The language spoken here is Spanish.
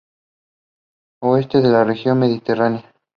Oeste de la Región Mediterránea.